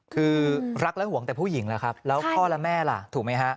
คือรักและห่วงแต่ผู้หญิงล่ะครับแล้วพ่อและแม่ล่ะถูกไหมฮะ